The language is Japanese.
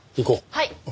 はい！